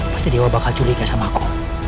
pasti dewa bakal curiga sama aku